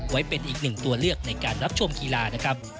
ไว้เป็นอีกหนึ่งตัวเลือกในการรับชมกีฬานะครับ